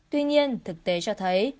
tuy nhiên thực tế cho thấy